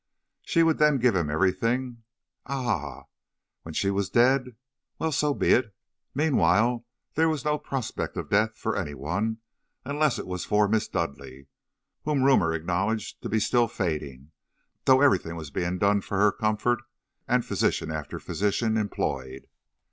She would then give him everything! Ah! ah! when she was dead! Well, so be it. Meanwhile, there was no prospect of death for any one, unless it was for Miss Dudleigh, whom rumor acknowledged to be still fading, though everything was being done for her comfort, and physician after physician employed.